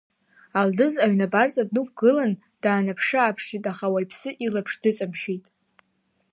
Алдыз аҩны абарҵа днықәгылан даанаԥшы-ааԥшит, аха уаҩԥсы илаԥш дыҵамшәеит.